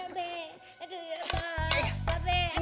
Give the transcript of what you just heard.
gue serang aneh